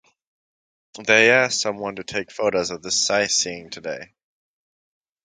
They asked someone to take photos of this sightseeing yesterday.